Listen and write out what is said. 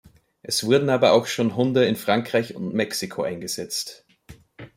Es wurden aber auch schon Hunde in Frankreich und Mexiko eingesetzt.